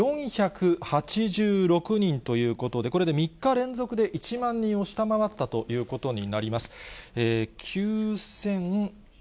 ９４８６人ということで、これで３日連続で１万人を下回ったということになります。